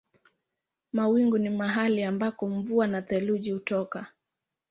Mawingu ni mahali ambako mvua na theluji hutoka.